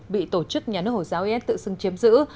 bị tổ chức nhà nước hồi giáo is tự xưng chiếm giữ